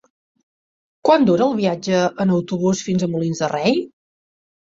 Quant dura el viatge en autobús fins a Molins de Rei?